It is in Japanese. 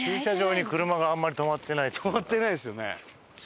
止まってないですよね。